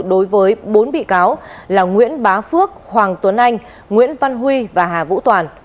đối với bốn bị cáo là nguyễn bá phước hoàng tuấn anh nguyễn văn huy và hà vũ toàn